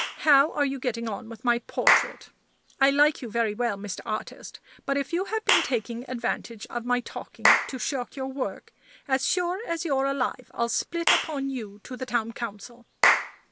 How are you getting on with my portrait? I like you very well, Mr. Artist; but if you have been taking advantage of my talking to shirk your work, as sure as you're alive I'll split upon you to the Town Council!